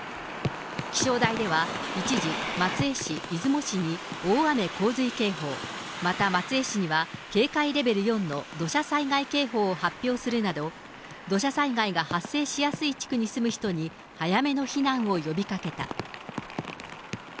気象台では一時、松江市、出雲市に大雨洪水警報、また松江市には、警戒レベル４の土砂災害警報を発表するなど、土砂災害が発生しやすい地区に住む人に早めの避難を呼びかけた。